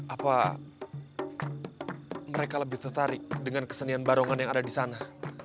apa mereka lebih tertarik dengan kesenian barongan yang ada di sana